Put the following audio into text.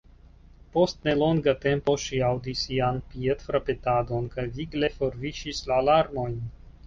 Post ne longa tempo ŝi aŭdis ian piedfrapetadon, kaj vigle forviŝis la larmojn.